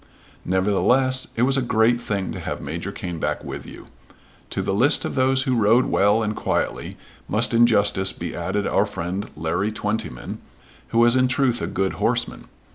Nevertheless it was a great thing to have Major Caneback with you. To the list of those who rode well and quietly must in justice be added our friend Larry Twentyman, who was in truth a good horseman.